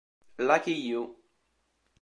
Lucky You